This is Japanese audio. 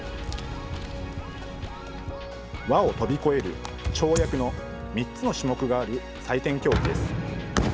輪を飛び越える跳躍の３つの種目がある採点競技です。